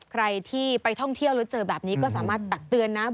ใครที่ไปท่องเที่ยวแล้วเจอแบบนี้ก็สามารถตักเตือนนะ